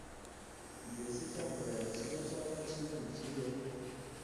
Mbese icyamubera cyiza cyangwa kibi, ni ikihe?